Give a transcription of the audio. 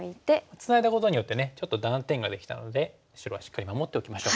ツナいだことによってちょっと断点ができたので白はしっかり守っておきましょう。